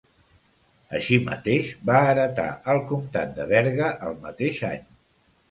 Així mateix va heretar el comtat de Berga el mateix any.